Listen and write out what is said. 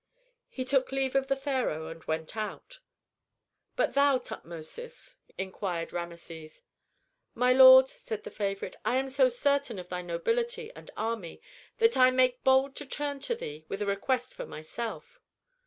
He took leave of the pharaoh and went out. "But thou, Tutmosis," inquired Rameses. "My lord," said the favorite, "I am so certain of thy nobility and army that I make bold to turn to thee with a request for myself."